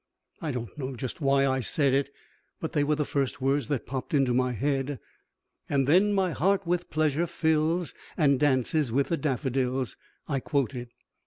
I don't know just why I said it, but they were the first words that popped into my head. "And then my heart with pleasure fills and dances with the daffodils," I quoted.